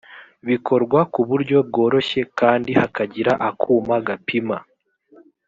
bikorwa ku buryo bworoshye kandi hakagira akuma gapima